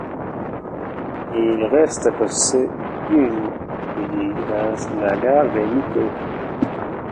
Il reste à poser une aiguille dans la gare de Mytho.